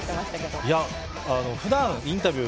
ふだんインタビュー